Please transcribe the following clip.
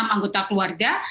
enam anggota keluarga